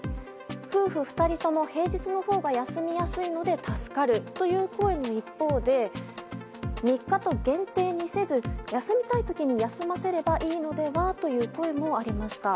夫婦２人とも平日のほうが休みやすいので助かるという声の一方で３日と限定にせず休みたい時に休ませればいいのではという声もありました。